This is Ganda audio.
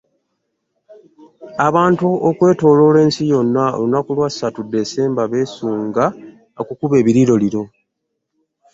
Abantu okwetooloola ensi yonna olunaku lw'asatu Ddesemba beesunga okukuba ebiriroliro